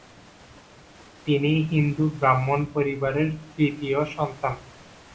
তিনি হিন্দু ব্রাহ্মণ পরিবারের তৃতীয় সন্তান।